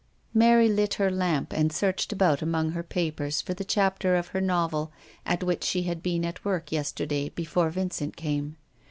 — Mary lit her lamp, and searched about among her papers for the chapter of her novel at which she had been at work yester day before Vincent came.